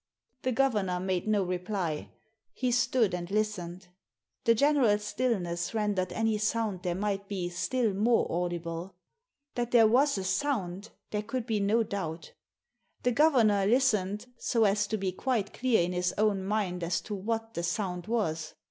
The governor made no reply. He stood and listened. The general stillness rendered any sound there might be still more audible. That there was a sound there could be no doubt The governor listened, so as to be quite clear in his own Digitized by VjOOQIC THE PHOTOGRAPHS 57 mind as to what the sound was.